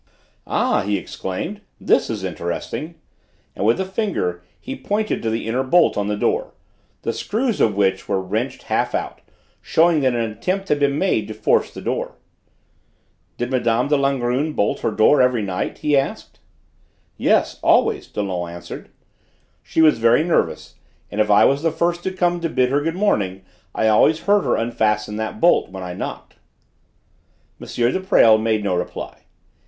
"Ah!" he exclaimed: "this is interesting!" and with a finger he pointed to the inner bolt on the door, the screws of which were wrenched half out, showing that an attempt had been made to force the door. "Did Mme. de Langrune bolt her door every night?" he asked. "Yes, always," Dollon answered. "She was very nervous, and if I was the first to come to bid her good morning I always heard her unfasten that bolt when I knocked." M. de Presles made no reply.